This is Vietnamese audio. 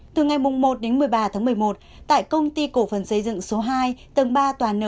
từ ngày một đến một mươi ba tháng một mươi một tại công ty cổ phần xây dựng số hai tầng ba toàn n ba t tám